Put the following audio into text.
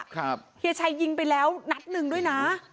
เฮียชัยยิงไปแล้วนัดหนึ่งด้วยนะ